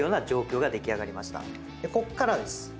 こっからです。